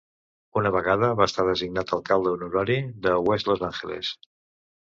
Una vegada va estar designat alcalde honorari de West Los Angeles.